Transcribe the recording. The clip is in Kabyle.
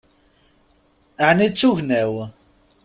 Ɛni d tugna-w?